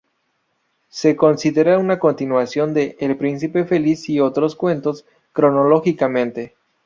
Se considera una continuación de "El príncipe feliz y otros cuentos", cronológicamente.